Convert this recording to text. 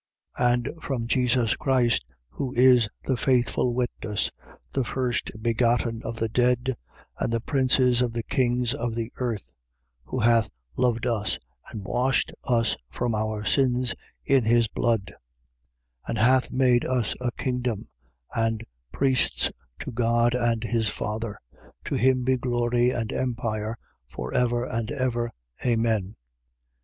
And from Jesus Christ, who is the faithful witness, the first begotten of the dead and the prince of the kings of the earth, who hath loved us and washed us from our sins in his own blood 1:6. And hath made us a kingdom, and priests to God and his Father. To him be glory and empire for ever and ever. Amen.